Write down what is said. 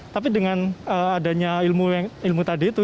tapi dengan adanya ilmu tadi itu